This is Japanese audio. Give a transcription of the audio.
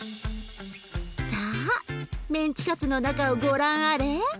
さあメンチカツの中をご覧あれ。